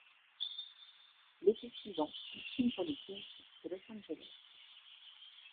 L'été suivant, il signe pour les Kings de Los Angeles.